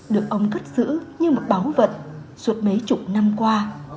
được ông cất giữ như một báu vật suốt mấy chục năm qua